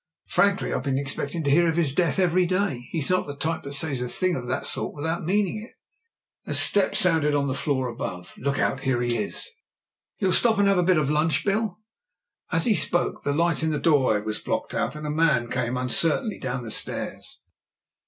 "Frankly, I've been expecting to hear of his death every day. He's not the type that says a thing of that sort without meaning it." A step sounded on the floor above. *'Look out, here he is. You'll stop and have a bit of lunch, Bill ?" As he spoke the light in the doorway was blocked out, and a man came uncertainly down the stairs.